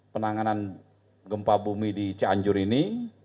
penanganan gempa bumi di cianjur ini